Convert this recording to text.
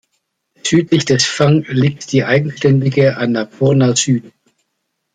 Südlich des Fang liegt die eigenständige Annapurna Süd.